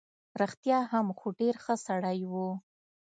رښتیا هم، خو ډېر ښه سړی وو.